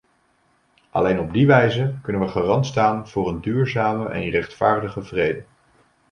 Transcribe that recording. Alleen op die wijze kunnen we garant staan voor een duurzame en rechtvaardige vrede.